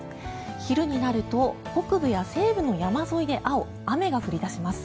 昼になると北部や西部の山沿いで青雨が降り出します。